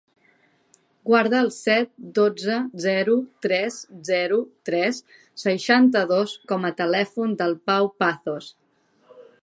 Guarda el set, dotze, zero, tres, zero, tres, seixanta-dos com a telèfon del Pau Pazos.